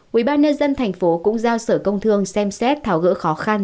quỹ ban nhân dân thành phố cũng giao sở công thương xem xét thảo gỡ khó khăn